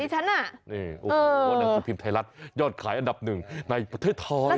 โอ้โหหนังสือพิมพ์ไทยรัฐยอดขายอันดับหนึ่งในประเทศไทย